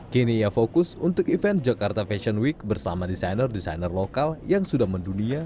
kini ia fokus untuk event jakarta fashion week bersama desainer desainer lokal yang sudah mendunia